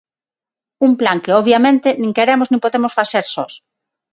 Un plan que, obviamente, nin queremos nin podemos facer sós.